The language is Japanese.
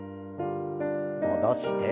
戻して。